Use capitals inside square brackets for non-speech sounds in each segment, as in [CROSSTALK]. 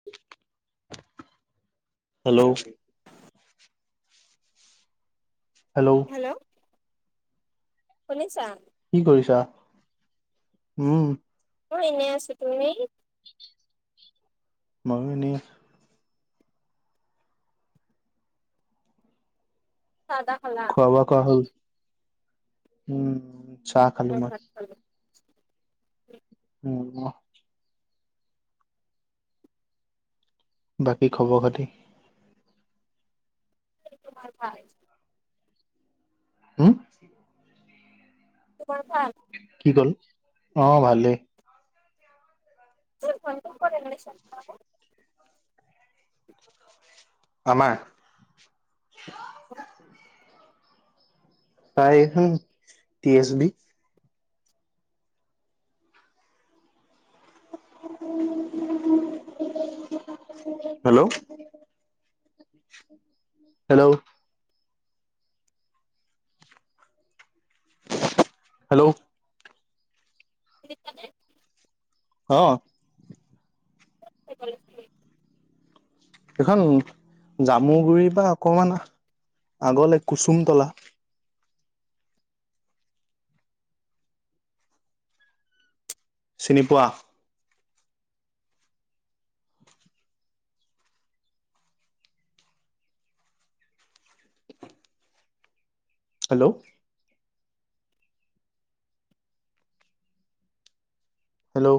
[UNINTELLIGIBLE] Hello. Hello. Hello শুনিছা? কি কৰিছা? উম মই এনেই আছোঁ। তুমি? উ [UNINTELLIGIBLE] মইও এনেই চাহ-তাহ খালা? খোৱা-বোৱা কৰা হ'ল? উম চাহ খালো মই। উম [UNINTELLIGIBLE] উ [UNINTELLIGIBLE] বাকী খব -খাতি? কুমাৰ ভ [UNINTELLIGIBLE] হম' তোমাৰ ভাল? কি ক'লা? অ' ভালেই। ত স প [UNINTELLIGIBLE] আমাৰ? উম [UNINTELLIGIBLE] প্ৰায় [UNINTELLIGIBLE] T S B hello? Hello hello হুনিচনে অ' কি কৰি আছা এইখন জামু গুৰি পা অকমান আগলে, কুচুমতলা চিনি পোৱা হেল্ল হেল্ল'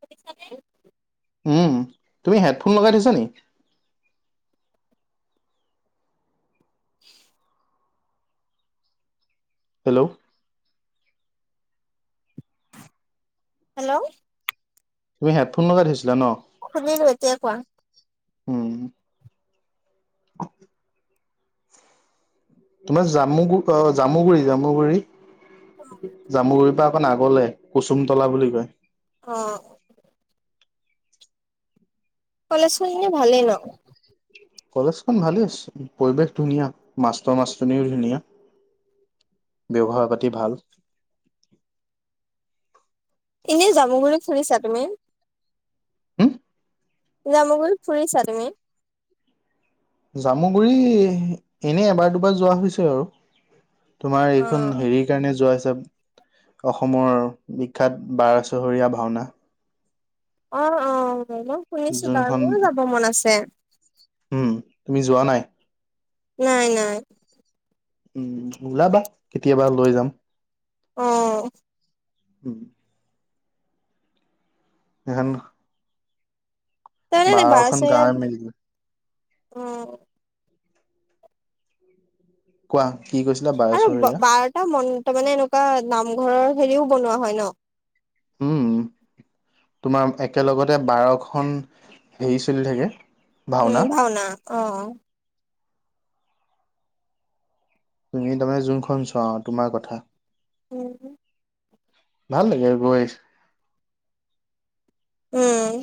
শুনিছানে তুমি হেডফোন লগাই থৈছা নেকি হেল্ল' হেল্ল' তুমি হেডফোন লগাই থৈছিলা ন খোলালোঁ এতিয়া কোৱা উম ক তোমাৰ জামুু অ জামুগুৰি জামুগুৰি জামুগুৰি পৰা অকণ আগলে কুসুমতলা বুলি কয় অ কলেজ খন এনেই ভালেই ন কলেজখন ভালে আছে, পৰিৱেশ ধুনীয়া মাষ্টৰ মাষ্টনীও ধুনীয়া ব্যৱহাৰ পাতি ভাল এনেই জামুগুৰিত ফুৰিছা তুমি হম জামুগুৰিট ফুৰিছা তুমি জামুগুৰি এনে এবাৰ দুবাৰ যোৱা হৈছে আৰু তোমাৰ অ এইখন হেৰি সেইকাৰণে যোৱা হৈছে অসমৰ বিখ্যাত বাৰচহৰীয়া ভাওনা অ অ শুনিছো তাৰ যোনখন মোৰো যাব মন আছে উম তুমি যোৱা নাই নাই নাই উম ওলাবা কেতিয়াবা লৈ যাম অ উম এখন তেনে বাৰখন বাৰেচহৰীয়া গাঁৱে মিলি অ কোৱা কি কৈছিলা আৰু বাৰচহৰীয়া বাৰটা মন্ত মানে এনেকুৱা নামঘৰৰ হেৰিও বনোৱা হয় ন উম তোমাৰ একেলগতে বাৰখন হেৰি চলি থাকে উম ভাওনা অ তুমি তাৰমানে যোনখন চোৱা তোমাৰ কথা উম ভাল লাগে গৈ উম।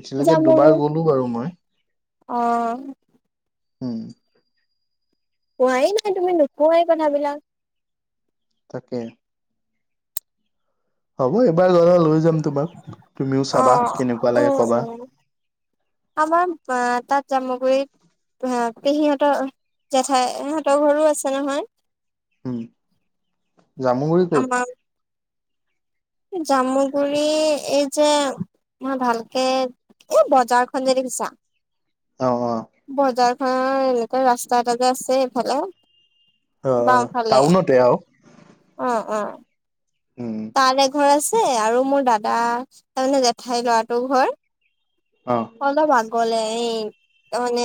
এতিয়ালৈকে যাম আৰু দুবাৰ গ'লো বাৰু মই। অ'। উম। কোৱাই নাই তুমি নোকোৱাই কথাবিলাক। তাকে। হ'ব এবাৰ গলে লৈ যাম তোমাক তুমিও চাবা অ', কেনেকুৱা লাগে উম, কবা। উম। আমাৰ তাত জামুগুৰিত। পেহীহঁতৰ জেঠাই সিহঁতৰ ঘৰো আছে নহয়। উম জামুগুৰি ক'ত? আমাৰ জামুগুৰি এই যে মই ভালকে এ, বজাৰখন যে দেখিছা? অ', অ'। বজাৰ খনৰ এনেকে ৰাস্তা এটা আছে এইফালে অ অ বাওঁফালে টাউনতে আৰু অ', অ'। উম তাত এঘৰ আছে আৰু মোৰ দাদা তাৰমানে জেঠাই ল'ৰাটোৰ ঘৰ অ'। অলপ আগলে এই মানে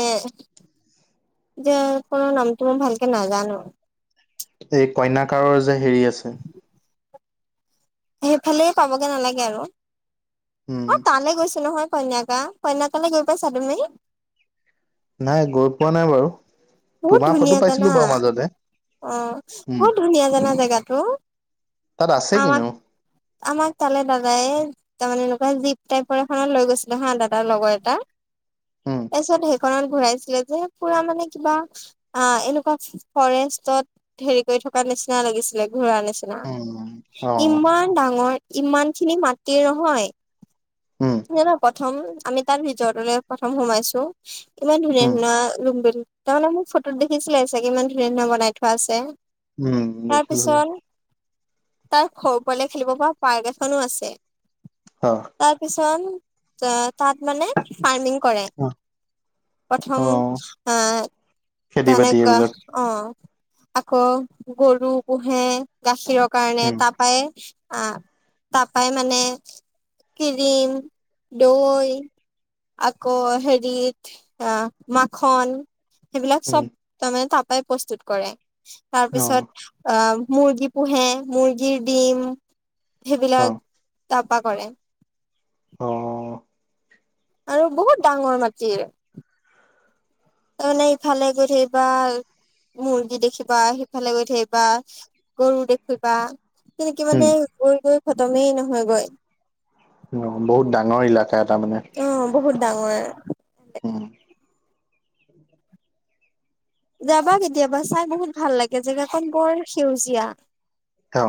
যে কোনো নামটো মই ভালকে নাজানো। এই কইনাকাৰৰ যে হেৰি আছে। সেইফালে পাবগে নালাগে আৰু উম অ', তালৈ গৈছোঁ নহয়? কন্যাকা, কন্যাকা লৈ গৈ পাইছা তুমি? নাই গৈ পোৱা নাই বাৰু। বহুত তোমাৰ ফটো ধুনীয়া পাইছিলো জানা? বাৰু মাজতে অ', উম বহুত ধুনীয়া জানা জেগাটো। তাত আছে আমাক কিনো? আমাক তালে দাদাই তাৰ মানে এনেকুৱা জীপ টাইপৰ এখনত লৈ গৈছিলে হা দাদাৰ লগৰ এটা, উম তাৰপিছত খনত ঘূৰাইছিলে যে পুৰা মানে কিবা আ, এনেকুৱা ফৰেষ্টত হেৰি কৰি থকা নিচিনা লাগিছিলে ঘূৰাৰ নিচিনা। উম। অ ইমান ডাঙৰ ইমান খিনি মাটিৰ নহয় উম। ন প্ৰথম আমি তাৰ ভিতৰতোলৈ প্ৰথম সোমাইছো ইমান ধুনীয়া উম ধুনীয়া লুম বিল তাৰমানে মোক ফটোত দেখিছিলে চাগে ইমান ধুনীয়া ধুনীয়া বনাই থোৱা আছে উম দেখিছো তাৰপিছত তাত সৰু পোৱালিয়ে খেলিব পৰা পাৰ্ক এখনো আছে। অ'। কিছুমান তাত মানে ফাৰ্মিং কৰে। প্ৰথম অ আ, খেতি বাতি তেনেকুৱা এইবিলাক অ আকৌ গৰু পোহে গাখীৰৰ কাৰণে উম তাৰপৰাই, আ, তাৰপৰাই মানে ক্ৰীম, দৈ। আকৌ হেৰিত মাখন সেইবিলাক উম, চব তাৰমানে তাৰপৰাই প্ৰস্তুত কৰে। তাৰ অ, পিছত অ মুৰ্গী পোহে মুৰ্গীৰ ডিম অ, সেইবিলাক তাৰপা কৰে। অ আৰু বহুত ডাঙৰ মাটি। এনেই ইফালে গৈ থাকিবা মুৰ্গী দেখিবা সিফালে গৈ থাকিবা গৰু দেখিবা। তেনেকে মানে উম, গৈ গৈ খতমেই নহয়গৈ। অ বহুত ডাঙৰ ইলাকা এটা মানে। অ বহুত ডাঙৰ। উম, যাবা কেতিয়াবা চাই বহুত ভাল লাগে জেগাকন বৰ সেউজীয়া। অ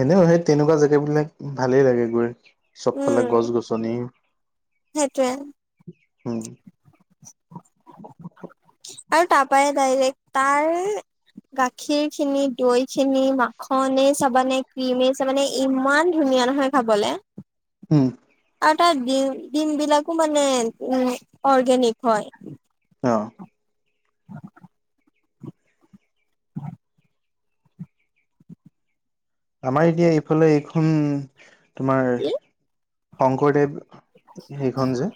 এনেও সেই তেনেকুৱা জেগাবিলাক ভালেই লাগে গৈ। চবফালে গছ গছনি। সেইটোৱে। উম [UNINTELLIGIBLE] আৰু তাপাএ ডাইৰেক্ট তাৰ গাখীৰ খিনি, দৈ খিনি, মাখনেই চাবানে ক্ৰীমেই চাবানে ইমান ধুনীয়া নহয় খাবলে। উম আৰু তাৰ ডিম ডিম বিলাকো মানে ওম অৰ্গেনিক হয়। অ'। [INAUDIBLE] আমাৰ এতিয়া এইফালে এইখন তোমাৰ কি শংকৰদেৱ। সেইখন যে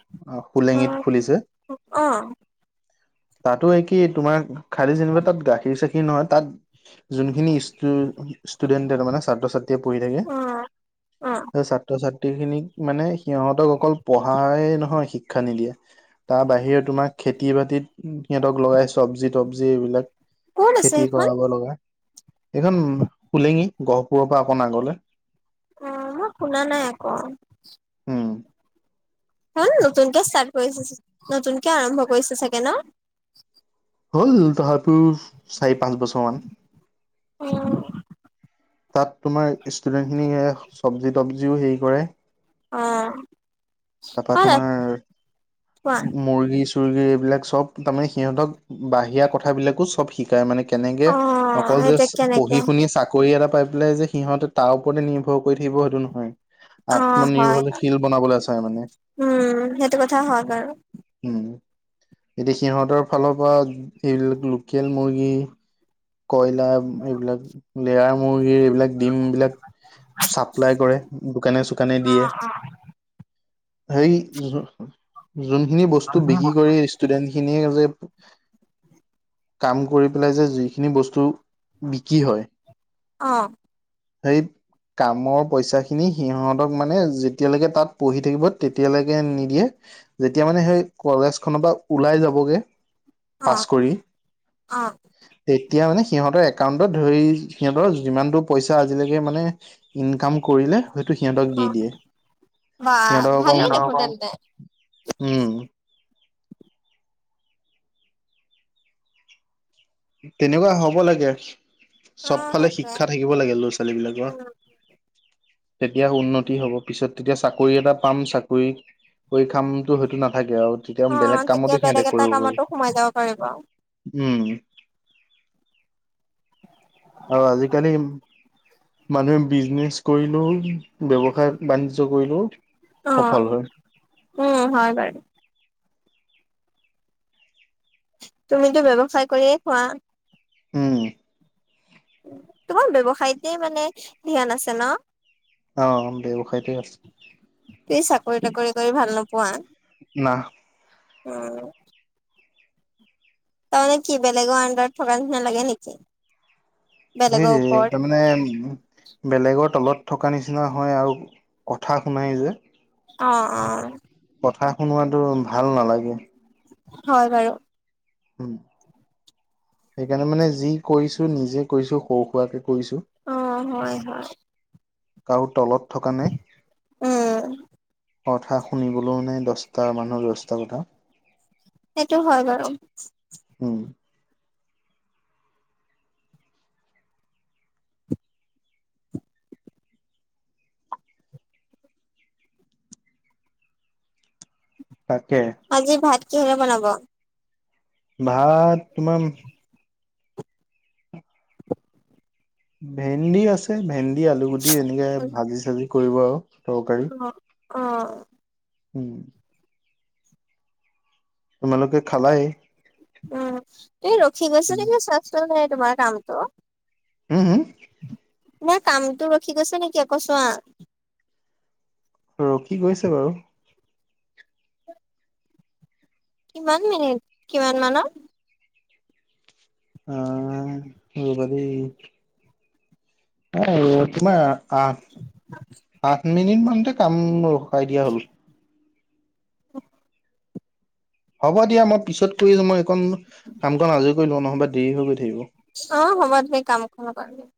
অ শোলেঙিত খুলিছে। অ'। তাতো একেই তোমাৰ খালি যেনিবা তাত গাখীৰ চাখীৰ নহয় তাত যোনখিনি ওম ষ্টুডেণ্টে তাৰ মানে ছাত্ৰ-ছাত্ৰীয়ে পঢ়ি অ অ থাকে। ছাত্ৰ-ছাত্ৰী খিনিক মানে সিহঁতক অকল পঢ়াই নহয় শিক্ষা নিদিয়ে। তাৰ বাহিৰে তোমাৰ খেতি-বাতিত। সিহঁতক লগাই চবজি-তবজি এইবিলাক ক'ত আছে খেতি সেইখন কৰাব লগায়। এইখন শোলেঙি গহপুৰৰ পৰা অকণ আগলে। ওম শুনা নাই আকৌ উম সেইখন নতুনকে ষ্টাৰ্ট কৰিছে নতুনকে আৰম্ভ কৰিছে চাগে ন'। হ'ল ধৰ ওম চাৰি পাঁচ বছৰ মান। উম তাত তোমাৰ ষ্টুডেণ্টখিনিয়ে চবজি তবজিও হেৰি কৰে। অ তাৰপৰা হয় তোমাৰ কোৱা মুৰ্গী। চুৰ্গী এইবিলাক চব তাৰমানে সিহঁতক বাহিৰা কথাবিলাকো চব শিকায় মানে কেনেকে অ অকল যে সেইটো চ কেনেকে পঢ়ি শুনি চা কৰি এটা পাই পেলাই যে সিহঁতে তাৰ ওপৰতে নিৰ্ভৰ কৰি থাকিব সেইটো নহয়। অ হয় আত্মনিৰ্ভৰশীল বনাবলৈ। চাই মানে উম সেইটো কথা হয় বাৰু। উম এতিয়া সিহঁতৰ ফালৰ পৰা এইবিলাক লোকেল মুৰ্গী। কয়লা এইবিলাক লেয়াৰ মুৰ্গী এইবিলাক। ডিম বিলাক চাপ্লাই কৰে দোকানে চোকানে অ দিয়ে। হেৰি যো যোনখিনি বস্তু বিক্ৰী কৰি। ষ্টুডেন্ট খিনিয়ে যে কাম কৰি পেলাই যে। এইখিনি বস্তু বিক্ৰী হয়। অ'। [UNINTELLIGIBLE] কামৰ পইচা খিনি সিহতক মানে যেতিয়ালৈকে তাত পঢ়ি থাকিব তেতিয়ালৈকে নিদিয়ে। যেতিয়া মানে সেই কলেজ খনৰ পৰা ওলাই যাবগে অ পাছ কৰি। অ'। তেতিয়া মানে সিহঁতৰ একাউণ্টত ধৰি সিহঁতৰ যিমানটো পইচা আজিলৈকে মানে ইনকাম কৰিলে সেইটো সিহঁতক অ দি দিয়ে। বা সিহঁতক ভালেই অকণ দেখোন তেন্তে উম। তেনেকুৱা হ'ব লাগে, অ চবফালে সেইটোৱে শিক্ষা থাকিব লাগে ল'ৰা-ছোৱালী বিলাকৰ। তেতিয়া উন্নতি হ'ব পিছত তেতিয়া চাকৰি এটা পাম চাকৰি কৰি খামটো সেইতো নাথাকে আৰু তেতিয়া অ বেলেগ তেতিয়া কামতো সিহঁতে বেলেগ এটা কৰিব পাৰি। কামতো সোমাই যাব পাৰিব অ উম। আৰু আজিকালি মানুহে বিজনেছ কৰিলেও ব্যৱসায়-বাণিজ্য কৰিলেও সফল হয়। উম, হয় বাৰু। তুমিতো ব্যৱসায় কৰিয়ে খোৱা? উম। তোমাৰ ব্যৱসায়তে মানে ধ্যান আছে ন'? অ', ব্যৱসায়টে আছে। তুমি চাকৰি-তাকৰি কৰি ভাল নোপোৱা? নাহ। উম। তাৰমানে কি বেলেগৰ আণ্ডাৰত থকাৰ নিচিনা লাগে নেকি? বেলেগৰ হেইটোৱে ওপৰত একদম মানে উ, বেলেগৰ তলত থকা নিচিনা হয় আৰু কথা শুনাই যে। অ', অ'। কথা শুনোৱাতো ভাল নালাগে। হয় বাৰু। উম, সেইকাৰণে মানে যি কৰিছোঁ নিজে কৰিছোঁ সৰু-সুৰাকে কৰিছোঁ। অ', হয়, হয়। কাৰো তলত থকা নাই। উম কথা শুনিবলৈও নাই, দহটা মানুহৰ দহটা কথা। সেইটো হয় বাৰু। উম। তাকে। আজি ভাত কিহৰে বনাব? ভাত তোমাৰ [INAUDIBLE] ভেন্দি আছে। ভেন্দি আলু গুটি এনেকে ভাজি চাজি কৰিব আৰু তৰকাৰী। অ উম। তোমালোকে খালাই। উম, তুমি ৰখি গৈছা উম [UNINTELLIGIBLE] নাই তোমাৰ কামটো। হম, হুম। তোমাৰ কামটো ৰখি গৈছে নেকি আকৌ চোৱা? ৰখি গৈছে বাৰু। কিমান মিনিট? কিমান মানৰ? আহ! ৰবা দেই। অহ তোমাৰ আঠ-আঠ মিনিট মানতেই কাম ৰখাই দিয়া হ'ল। হ'ব দিয়া মই পিছত কৰি আছোঁ। মই এইকণ কাম কন আজৰি কৰি লওঁ নহ'বা দেৰি হৈ গৈ থাকিব। অঁ! হ'ব তুমি কাম কৰা বাৰু।